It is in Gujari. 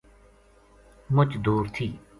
مُچ دور تھی